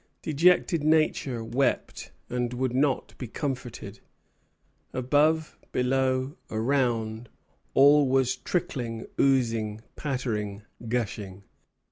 Dejected Nature wept and would not be comforted. Above, below, around, all was trickling, oozing, pattering, gushing.